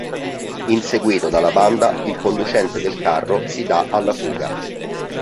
Inseguito dalla banda, il conducente del carro si dà alla fuga.